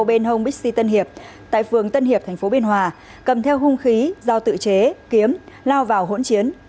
bên hồng bixi tân hiệp tại phường tân hiệp tp biên hòa cầm theo hung khí giao tự chế kiếm lao vào hỗn chiến